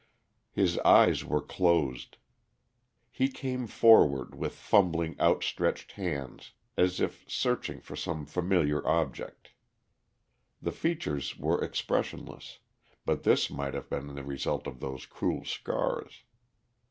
His eyes were closed; he came forward with fumbling, outstretched hands as if searching for some familiar object. The features were expressionless, but this might have been the result of those cruel scars.